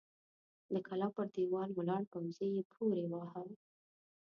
د کلا پر دېوال ولاړ پوځي يې پورې واهه!